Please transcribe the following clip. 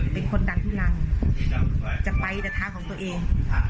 เป็นคนดันทุรังจะไปแต่เท้าของตัวเอง